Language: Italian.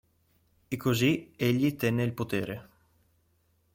E così egli tenne il potere.